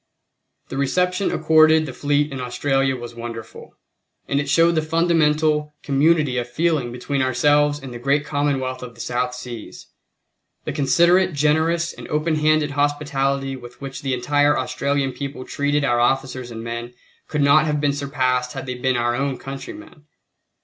The reception accorded the fleet in Australia was wonderful, and it showed the fundamental community of feeling between ourselves and the great commonwealth of the South Seas. The considerate, generous, and open handed hospitality with which the entire Australian people treated our officers and men could not have been surpassed had they been our own countrymen.